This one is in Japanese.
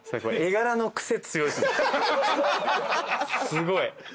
すごい。